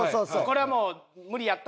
これはもう無理やった。